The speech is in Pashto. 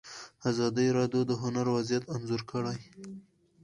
ازادي راډیو د هنر وضعیت انځور کړی.